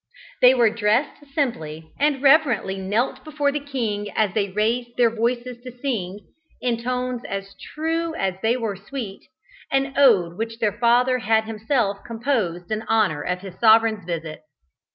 They were dressed simply, and reverently knelt before the king as they raised their voices to sing (in tones as true as they were sweet) an ode which their father had himself composed in honour of his sovereign's visit.